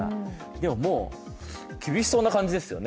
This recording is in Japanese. でも、もう厳しそうな感じですよね